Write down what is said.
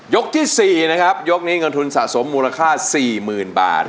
ที่๔นะครับยกนี้เงินทุนสะสมมูลค่า๔๐๐๐บาท